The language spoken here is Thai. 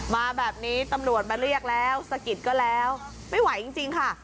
มาแบบนี้ตำรวจมาเรียกแล้วสะกิดก็แล้วไม่ไหวจริงค่ะ